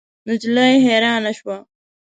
نجلۍ حیرانه شوه.